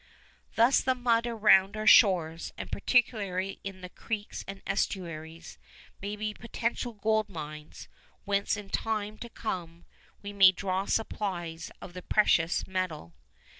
Thus the mud around our shores, and particularly in the creeks and estuaries, may be potential gold mines whence in time to come we may draw supplies of the precious metal.